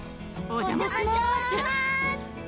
お邪魔します。